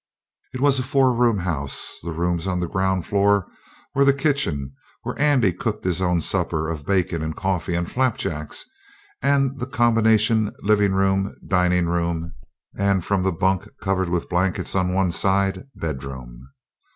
It was a four room house; the rooms on the ground floor were the kitchen, where Andy cooked his own supper of bacon and coffee and flapjacks, and the combination living room, dining room, and, from the bunk covered with blankets on one side, bedroom.